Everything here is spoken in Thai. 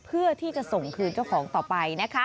เพื่อที่จะส่งคืนเจ้าของต่อไปนะคะ